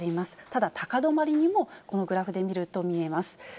ただ、高止まりにも、このグラフで見ると見えます。